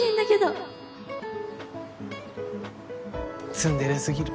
ツンデレ過ぎる。